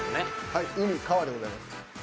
はい海川でございます。